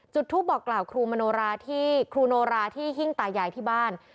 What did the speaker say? จุดทูปบอกกล่าวครูนโลราที่ฮิ้งตายหยายที่บ้าน